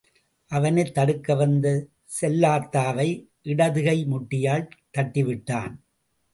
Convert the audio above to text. அவனைத் தடுக்க வந்த செல்லாத்தாவை இடதுகை முட்டியால் தட்டிவிட்டான்.